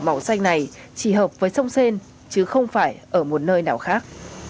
màu xanh này chỉ hợp với sông sen chứ không phải ở một nơi nào khác